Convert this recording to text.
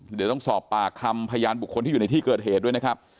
เดี๋ยวต้องสอบปากคำพยานบุคคลที่อยู่ในที่เกิดเหตุด้วยนะครับ